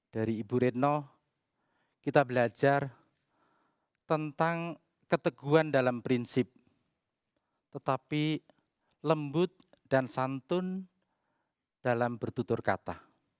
dari ibu retno kita belajar tentang keteguan dalam prinsip tetapi lembut dan santun dalam bertutur kata